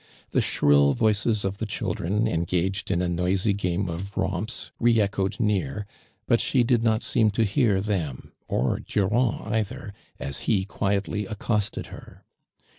The shrill voices of the children engaged in a noisy game of romps re echoed near, ijut she dicl not seem to hear them, or Durand either, as he quietly accosted her.